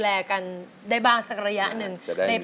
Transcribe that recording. แล้วก็หายกันแล้วก็พากันมาอยู่เป็นครอบครัวอบอุ่น